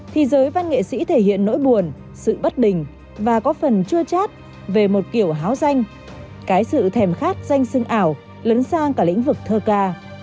thì giới văn nghệ sĩ thể hiện nỗi buồn sự bất bình và có phần chưa chát về một kiểu háo danh cái sự thèm khát danh sưng ảo lấn sang cả lĩnh vực thơ ca